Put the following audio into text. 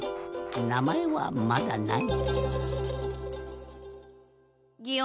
なまえはまだない。